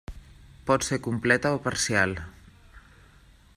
Pot ser completa o parcial.